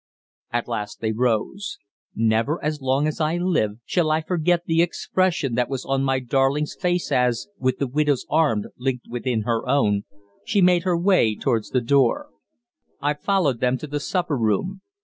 At last they rose. Never, as long as I live, shall I forget the expression that was on my darling's face as, with the widow's arm linked within her own, she made her way towards the door. I followed them to the supper room.